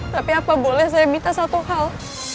tapi apa boleh saya minta satu hal